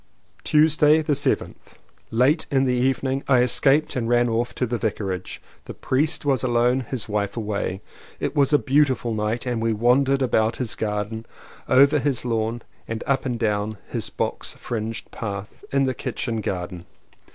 Tuesday the 7th. Late in the evening I escaped and ran off to the Vicarage. The priest was alone, his wife away. It was a beautiful night and we wandered about his garden, over his lawn and up and down his box fringed path in the kitchen garden.